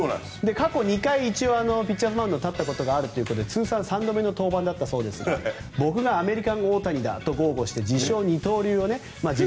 過去２回ピッチャーズマウンドに立ったことがあるということで通算３度目の登板だったそうですが僕がアメリカン・オオタニだと豪語してジョークですよ。